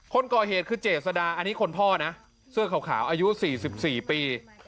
คนก่อเหตุคือเจษดาอันนี้คนพ่อนะเสื้อขาวอายุ๔๔ปี